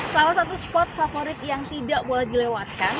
salah satu spot favorit yang tidak boleh dilewatkan